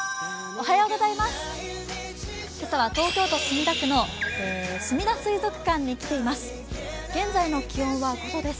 今朝は東京都墨田区のすみだ水族館に来ています。